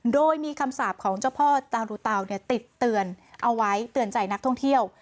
โดยมีคำสาปของเจ้าพ่อตารุเตาติดเตือนเอาไว้เตือนใจนักท่องเที่ยว